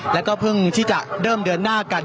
แล้วก็เพิ่งที่จะเริ่มเดินหน้ากัน